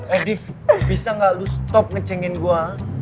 edief bisa enggak lu stop ngecenggin gua